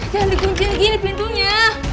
jangan di kuncin gini pintunya